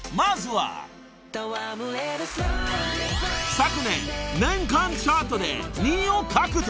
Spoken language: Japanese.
［昨年年間チャートで２位を獲得］